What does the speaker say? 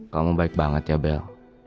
kamu baik banget ya bel